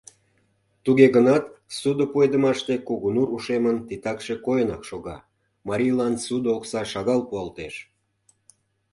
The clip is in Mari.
Туге гынат ссудо пуэдымаште Кугунур ушемын титакше койынак шога: марийлан ссудо окса шагал пуалтеш.